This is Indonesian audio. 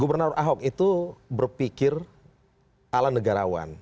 gubernur ahok itu berpikir ala negarawan